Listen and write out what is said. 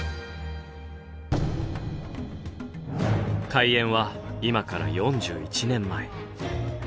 開園は今から４１年前。